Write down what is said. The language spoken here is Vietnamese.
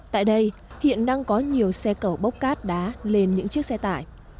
tại đây hiện đang có nhiều xe cầu bốc cát đá lên những chiếc xe tải